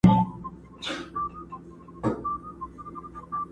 مګر سوځي یو د بل کلي کورونه!